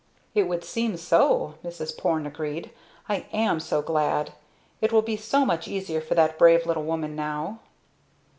"It would seem so," Mrs. Porne agreed. "I am so glad! It will be so much easier for that brave little woman now."